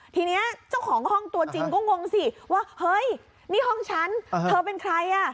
ทีนี้เจ้าของห้องตัวจริงก็งงสิว่าเฮ้ยนี่ห้องฉันเธอเป็นใครอ่ะ